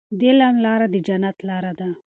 د علم لاره د جنت لاره ده.